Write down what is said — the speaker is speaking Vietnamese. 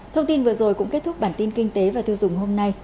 thông tin vừa rồi cũng kết thúc bản tin kinh tế và tiêu dùng hôm nay